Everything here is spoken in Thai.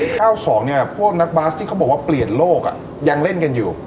ข้าวสองเนี่ยพวกนักบาสที่เขาบอกว่าเปลี่ยนโลกยังเล่นกันอยู่